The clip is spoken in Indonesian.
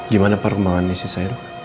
gimana perkembangan isi saya